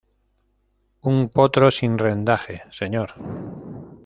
un potro sin rendaje, señor.